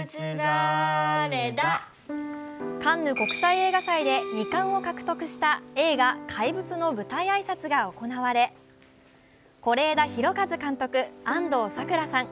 カンヌ国際映画祭で２冠を獲得した映画「怪物」の舞台挨拶が行われ是枝裕和監督、安藤サクラさん